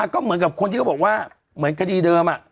ก็เหมือนกับคนที่เขาบอกว่าเหมือนคดีเดิม